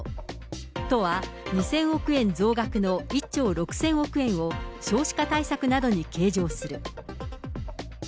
都は、２０００億円増額の１兆６０００億円を少子化対策などに計上する。